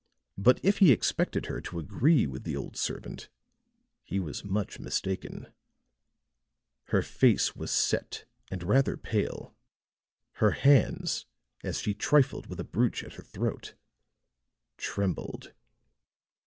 But if he expected her to agree with the old servant he was much mistaken; her face was set, and rather pale; her hands, as she trifled with a brooch at her throat, trembled.